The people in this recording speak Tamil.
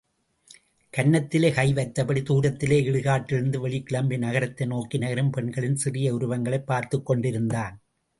கன்னத்திலே கை வைத்தபடி தூரத்திலே இடுகாட்டிலிருந்து வெளிக்கிளம்பி நகரத்தை நோக்கி நகரும் பெண்களின் சிறிய உருவங்களைப் பார்த்துக் கொண்டிருந்தான்.